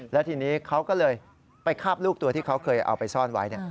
แล้วทีนี้เขาก็เลยไปคาบลูกตัวที่เขาเคยเอาไปซ่อนไว้